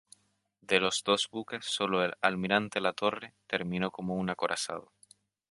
De los dos buques, sólo el "Almirante Latorre" terminó como un acorazado.